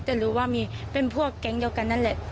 แต่รู้ว่ามีเป็นพวกแก๊งเดียวกันนั่นแหละ